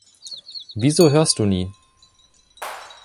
Wieso hörst du nie?